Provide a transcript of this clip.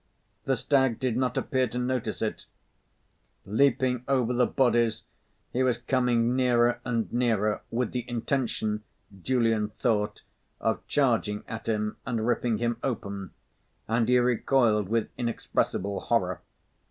The stag did not appear to notice it; leaping over the bodies, he was coming nearer and nearer with the intention, Julian thought, of charging at him and ripping him open, and he recoiled with inexpressible horror.